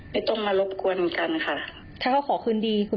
ไม่ต้องมารบกวนกันค่ะ